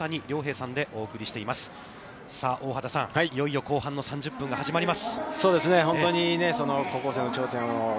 さあ大畑さん、いよいよ後半の３０分が始まります。